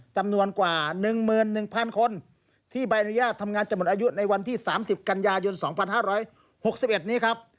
จำนวนกว่า๑๑๐๐๐คนที่ใบอนุญาตทำงานจะหมดอายุในวันที่๓๐กันยายน๒๕๖๑นี้ครับ